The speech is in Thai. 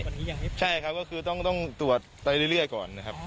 วันนี้ยังไม่พอใช่ครับก็คือต้องตรวจไปเรื่อยก่อนนะครับ